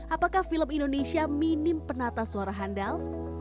apakah film indonesia minim penata suara handal